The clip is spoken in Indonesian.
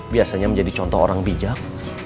biasanya menjadi contoh orang bijak